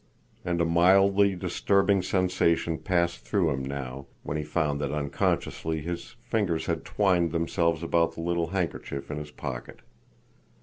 And a mildly disturbing sensation passed through him now, when he found that unconsciously his fingers had twined themselves about the little handkerchief in his pocket.